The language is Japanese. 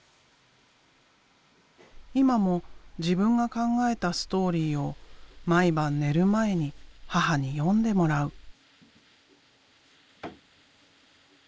今も自分が考えたストーリーを毎晩寝る前に母に読んでもらう。